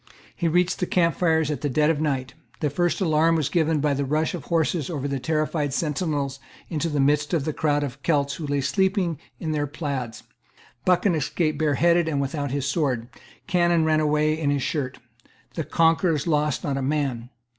He reached the camp fires at dead of night. The first alarm was given by the rush of the horses over the terrified sentinels into the midst Of the crowd of Celts who lay sleeping in their plaids. Buchan escaped bareheaded and without his sword. Cannon ran away in his shirt. The conquerors lost not a man.